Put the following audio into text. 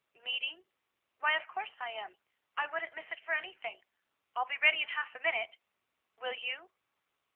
"Meeting? Why, of course I am. I wouldn't miss it for anything. I'll be ready in half a minute. Will you?"